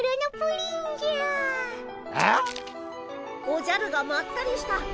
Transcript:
おじゃるがまったりした。